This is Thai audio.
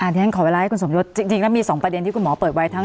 ที่ฉันขอเวลาให้คุณสมยศจริงแล้วมี๒ประเด็นที่คุณหมอเปิดไว้ทั้ง